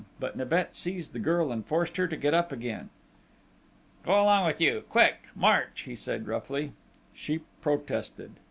But Nibet seized the girl and forced her to get up again. "Go along with you! Quick march!" he said roughly. She protested.